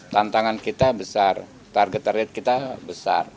tantangan kita besar target target kita besar